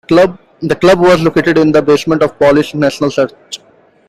The club was located in the basement of the Polish National church.